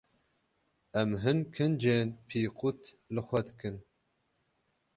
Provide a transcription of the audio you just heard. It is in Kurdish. Em hin kincên pîqut li xwe dikin.